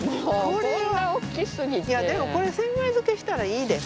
いやでもこれ千枚漬したらいいで。